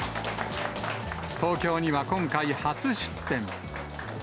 東京には今回、初出店。